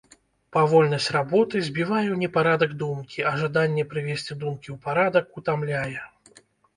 Павольнасць работы збівае ў непарадак думкі, а жаданне прывесці думкі ў парадак утамляе.